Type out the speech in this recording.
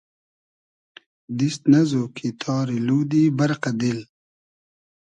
دیست نئزو کی تاری لودی بئرقۂ دیل